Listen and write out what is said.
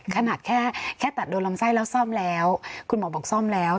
ขนาดแค่ตัดโดนลำไส้แล้วซ่อมแล้วคุณหมอบอกซ่อมแล้ว